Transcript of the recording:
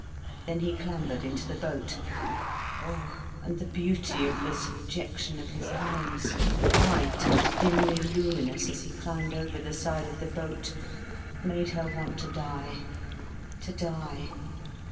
Then he clambered into the boat. Oh, and the beauty of the subjection of his loins, white and dimly luminous as he climbed over the side of the boat, made her want to die, to die.